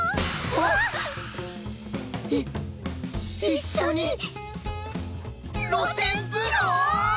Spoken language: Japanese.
い一緒に露天風呂！？